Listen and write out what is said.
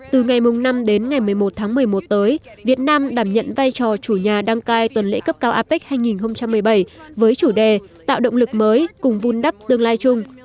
từ ngày năm đến ngày một mươi một tháng một mươi một tới việt nam đảm nhận vai trò chủ nhà đăng cai tuần lễ cấp cao apec hai nghìn một mươi bảy với chủ đề tạo động lực mới cùng vun đắp tương lai chung